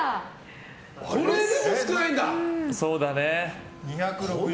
これでも少ないんだ。